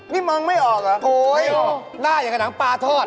นี่มองไม่ออกเหรอโอ้ยหน้าอย่างกับหนังปลาทอด